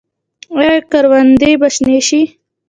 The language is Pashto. آیا کروندې به شنې شي؟